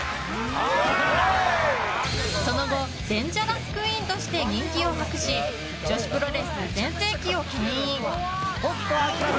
その後デンジャラス・クイーンとして人気を博し女子プロレス全盛期を牽引。